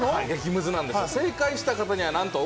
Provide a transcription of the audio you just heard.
激ムズなんですよ。